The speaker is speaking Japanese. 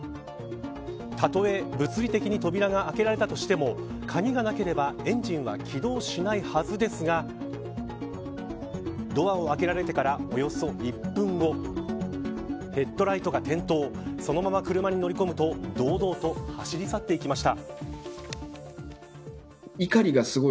たとえ、物理的にドアが開けられたとしても鍵がなければエンジンは起動しないはずですがドアを開けられてからおよそ１分後ヘッドライトが点灯そのまま車に乗り込むと堂々と走り去っていきました。